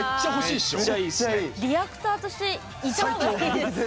リアクターとしていた方がいいですね。